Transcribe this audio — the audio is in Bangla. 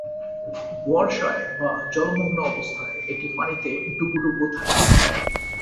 বর্ষায় বা জলমগ্ন অবস্থায় এটি পানিতে ডুবো ডুবো থাকে।